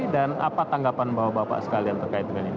dan apa tanggapan bapak bapak sekalian terkait dengan ini